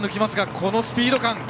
このスピード感。